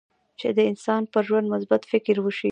چې د انسان پر ژوند مثبت فکر وشي.